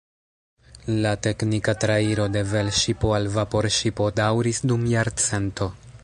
La teknika trairo de velŝipo al vaporŝipo daŭris dum jarcento.